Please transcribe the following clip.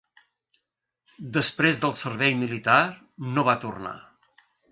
Després del servei militar no va tornar.